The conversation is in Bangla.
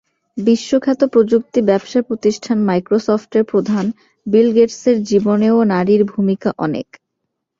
বিশ্বখ্যাত প্রযুক্তি ব্যবসাপ্রতিষ্ঠান মাইক্রোসফটের প্রধান বিল গেটসের জীবনেও নারীর ভূমিকা অনেক।